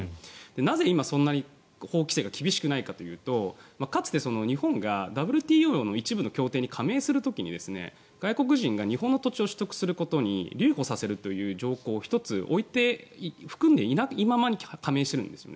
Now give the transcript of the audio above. なぜ今、そんなに法規制が厳しくないかというとかつて、日本がＷＴＯの一部の協定に加盟する時に外国人が日本の土地を取得する時に留保させるという条項を１つ置いて、含んでいないまま加盟しているんですね。